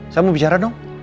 saya mau bicara dong